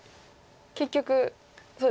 結局そうですね。